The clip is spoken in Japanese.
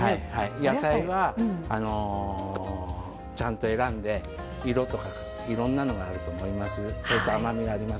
野菜は、ちゃんと選んで色とかいろんなのがあると思います。